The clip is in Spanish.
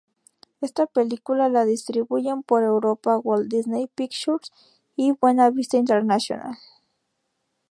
Esta película la distribuyen por Europa Walt Disney Pictures y Buena Vista International.